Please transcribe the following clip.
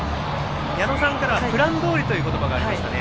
矢野さんからはプランどおりという話がありましたね。